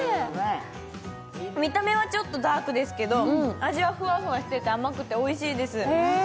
見た目はちょっとダークですけど、味はふわふわして甘くて、おいしいです。